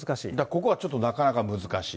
ここはちょっとなかなか難しい。